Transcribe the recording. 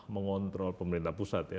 mengontrol pemerintah pusat ya